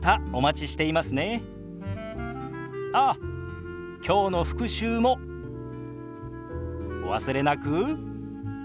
ああ今日の復習もお忘れなく。